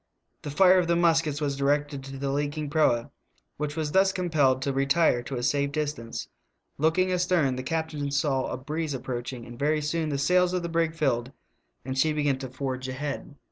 The fire of the muskets was directed to the leaking proa, which was thus compelled to retire to a safe distance; looking astern the cap tain saw a breeze approaching, and very soon the sails of the brig filled and she began to forge ahead.